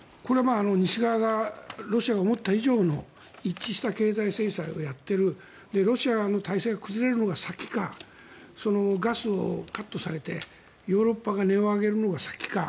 西側がロシアを思った以上の一致した経済制裁をやっているロシア側の体制が崩れるのが先かガスをカットされてヨーロッパが音を上げるのが先か。